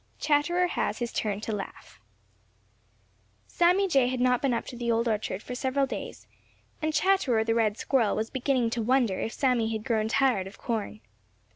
*XXIV* *CHATTERER HAS HIS TURN TO LAUGH* Sammy Jay had not been up to the Old Orchard for several days, and Chatterer the Red Squirrel was beginning to wonder if Sammy had grown tired of corn.